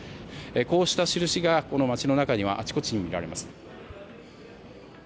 こうした印が、街の中にはあちこちに見られます。